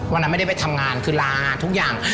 วันนั้นไม่ได้ไปทำงานคือลาทุกอย่าง